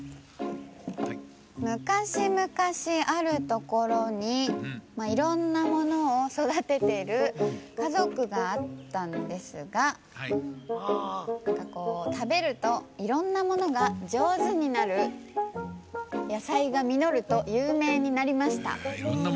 「むかしむかしあるところにいろんなものをそだててるかぞくがあったんですがたべるといろんなものがじょうずになるやさいがみのるとゆうめいになりました」。